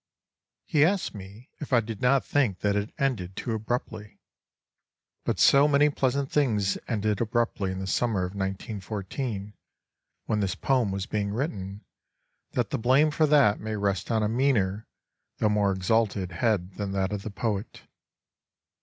He asked me if I did not think that it ended too abruptly, but so many pleasant things ended abruptly in the summer of 1914, when this poem was being written, that the blame for that may rest on a meaner, though more exalted, head than that of the poet.